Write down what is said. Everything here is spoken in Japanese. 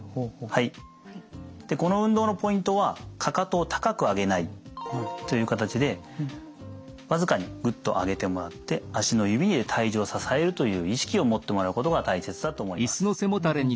この運動のポイントはかかとを高く上げない。という形で僅かにグッと上げてもらって足の指で体重を支えるという意識を持ってもらうことが大切だと思います。